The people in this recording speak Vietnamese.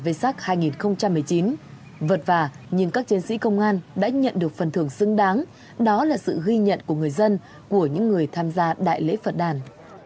vê sắc hai nghìn một mươi chín vất vả nhưng các chiến sĩ công an đã nhận được phần thưởng xứng đáng đó là sự ghi nhận của người dân của những người tham gia đại lễ phật đàn